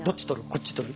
「こっち取る？」